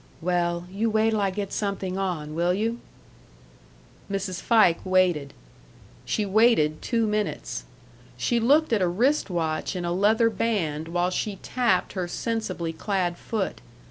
"Well, you wait 'll I get something on, will you!" Mrs. Fike waited. She waited two minutes. She looked at a wrist watch in a leather band while she tapped her sensibly clad foot.